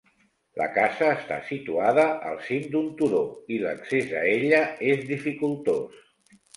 La casa està situada al cim d'un turó i l'accés a ella és dificultós.